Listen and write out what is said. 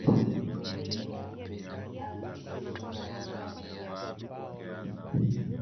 Ingiza kisu au kijiti katikati ya keki ili